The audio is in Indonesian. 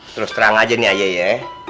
terus terang aja nih aja ya